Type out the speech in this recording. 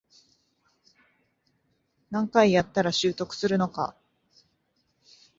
何回やったら習得するのか